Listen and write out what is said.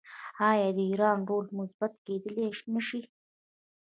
آیا د ایران رول مثبت کیدی نشي؟